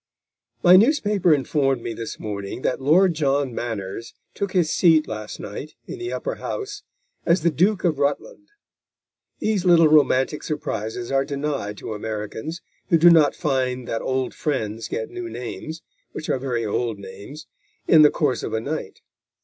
My newspaper informed me this morning that Lord John Manners took his seat last night, in the Upper House, as the Duke of Rutland. These little romantic surprises are denied to Americans, who do not find that old friends get new names, which are very old names, in the course of a night.